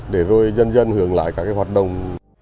để rồi dân dân hưởng lại các hoạt động